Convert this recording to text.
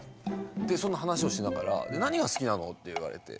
そんな話をしながら「何が好きなの？」って言われて。